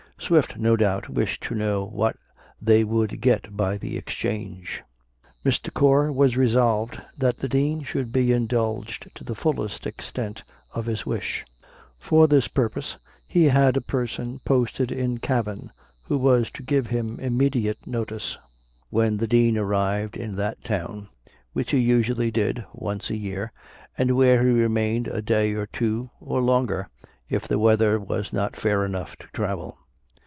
Swift, no doubt, wished to know what they would get by the exchange. Mr. Core was resolved that the Dean should be indulged to the fullest extent of his wish; for this purpose he had a person posted in Cavan, who was to give him immediate notice when the Dean arrived in that town, which he usually did once a year, and where he remained a day or two or longer, if the weather was not fair enough to travel.